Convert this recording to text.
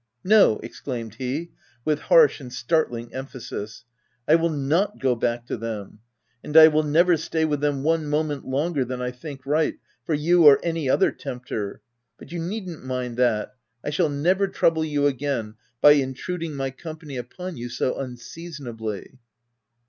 " No," exclaimed he, with harsh and start ling emphasis; " I will not go back to them ! And I will never stay with them one moment longer than I think right, for you or any other tempter ! But you needn't mind that — I shall never trouble you again, by intruding my com pany upon you so unseasonably."